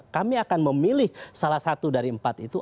kami akan memilih salah satu dari empat itu